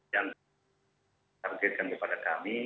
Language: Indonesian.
yang disarankan kepada kami